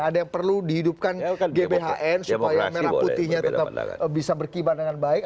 ada yang perlu dihidupkan gbhn supaya merah putihnya tetap bisa berkibar dengan baik